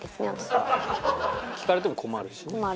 聞かれても困るしね。